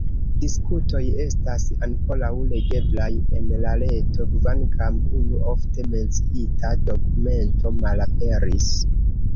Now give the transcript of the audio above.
Diskutoj estas ankoraŭ legeblaj en la reto kvankam unu ofte menciita dokumento malaperis.